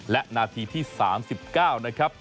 และนาทีที่๓๙นะครับ